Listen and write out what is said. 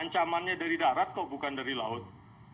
ancamannya dari darat kok bukan dari laut